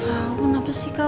kau ngapasih kak